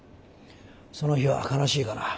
その日は悲しいかな